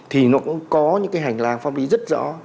thì nó cũng có những cái hành lang pháp lý rất rõ